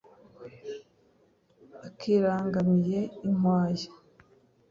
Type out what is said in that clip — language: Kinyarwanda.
Akirangamiye inkwaya